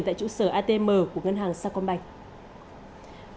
tại trụ sở atm của ngân hàng sa công bạch